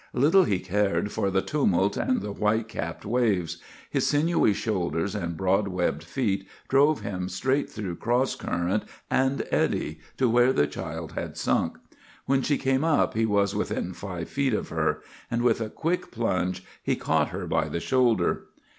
"Little he cared for the tumult and the white capped waves! His sinewy shoulders and broad webbed feet drove him straight through cross current and eddy to where the child had sunk. When she came up he was within five feet of her, and with a quick plunge he caught her by the shoulder.